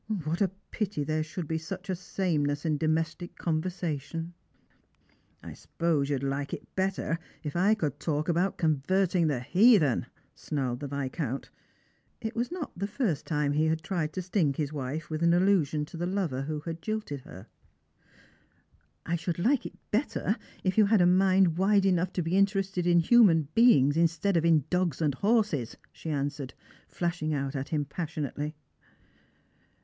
What a pity there should be such a sameness in domestic conversation !"" I suppose you would like it better if I could talk about con verting the heathen," snarled the Yiscount. It was not the first time he had tried to sting his wife with an allusion to the lover who jilted her. " I should like it better if you had a mind wide enough to be interested in human beings, instead of in dogs and horses," she answered, flashing out at him passionately.